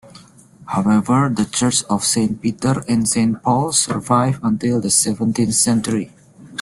However, the church of Saint Peter and Saint Paul survived until the seventeenth century.